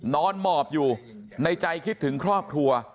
หมอบอยู่ในใจคิดถึงครอบครัว